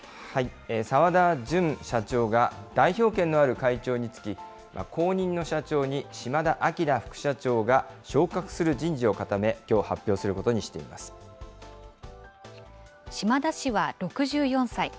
澤田純社長が、代表権のある会長に就き、後任の社長に島田明副社長が昇格する人事を固め、きょう発表する島田氏は６４歳。